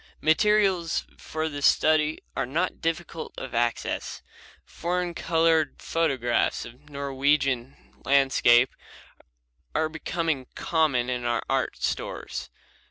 Materials for this study are not difficult of access. Foreign colored photographs of Norwegian landscape are becoming common in our art stores.